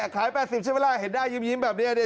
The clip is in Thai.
ขาย๘๐ใช่ไหมล่ะเห็นหน้ายิ้มแบบนี้